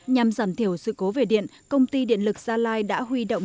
nhằm giảm thiểu sự cố về điện công ty điện lực gia lai đã huy động